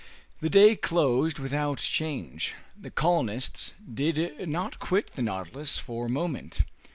The day closed without change. The colonists did not quit the "Nautilus" for a moment.